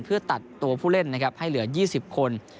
เพื่อตัดตัวผู้เล่นนะครับให้เหลือ๒๐คน